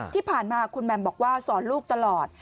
ที่ผ่านมาคุณแม่มบอกว่าสอนลูกตลอด